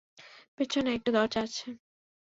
পেছনে একটা দরজা আছে।